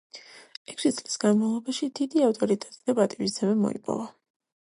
ექვსი წლის განმავლობაში დიდი ავტორიტეტი და პატივისცემა მოიპოვა.